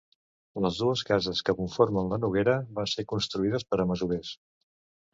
Les dues cases que conformen la Noguera van ser construïdes per a masovers.